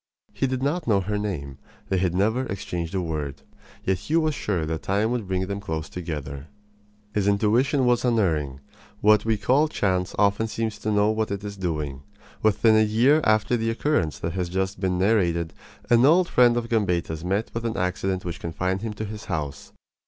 He did not know her name. They had never exchanged a word. Yet he was sure that time would bring them close together. His intuition was unerring. What we call chance often seems to know what it is doing. Within a year after the occurrence that has just been narrated an old friend of Gambetta's met with an accident which confined him to his house.